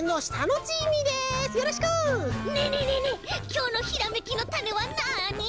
きょうのひらめきのタネはなに？